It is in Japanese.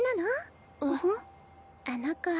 あの子